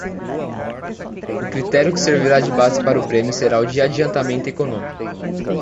O critério que servirá de base para o prêmio será o de adiantamento econômico.